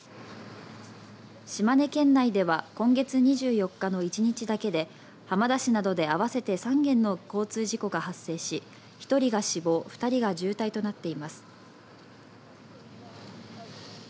島根県内では今月２４日の１日だけで浜田市などで合わせて３件の交通事故が発生し１人が死亡２人が重体となっています。